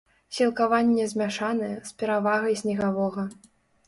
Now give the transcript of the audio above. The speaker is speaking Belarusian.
Сілкаванне змяшанае, з перавагай снегавога.